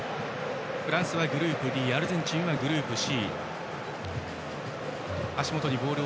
フランスはグループＢアルゼンチンはグループＣ。